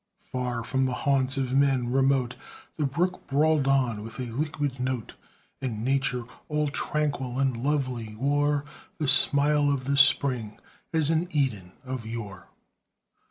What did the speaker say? Far from the haunts of men remote, The brook brawled on with a liquid note; And Nature, all tranquil and lovely, wore The smile of the spring, as in Eden of yore.